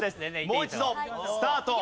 もう一度スタート。